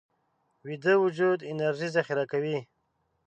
ویده وجود انرژي ذخیره کوي